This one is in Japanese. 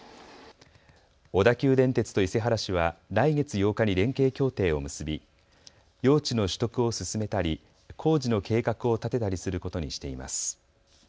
小田急電鉄と伊勢原市は来月８日に連携協定を結び用地の取得を進めたり工事の計画を立てたりすることにしています。